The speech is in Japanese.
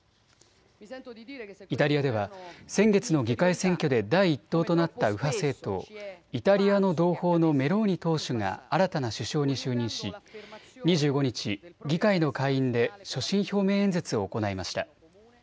イタリアでは先月の議会選挙で第１党となった右派政党、イタリアの同胞のメローニ党首が新たな首相に就任し２５日、議会の下院で所信表明演説を行いました。